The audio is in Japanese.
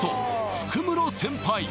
福室先輩